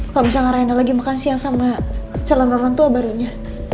kalau misalnya rina lagi makan siang sama calon orang tua barunya